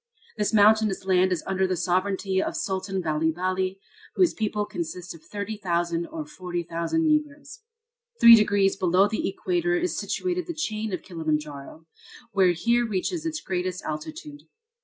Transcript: This mountainous land is under the sovereignty of Sultan Bali Bali, whose people consist of 30,000 or 40,000 Negroes. Three degrees below the Equator is situated the chain of Kilimanjaro, which here reaches its greatest altitude.